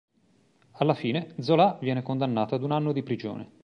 Alla fine, Zola viene condannato ad un anno di prigione.